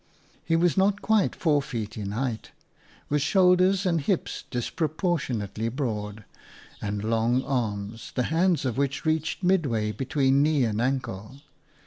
He was not quite four feet in height, with shoulders and hips disproportionately broad, and long arms, the hands of which reached midway between knee and ankle.